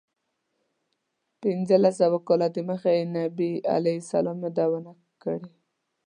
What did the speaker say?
پنځلس سوه کاله دمخه چې نبي علیه السلام یادونه کړې.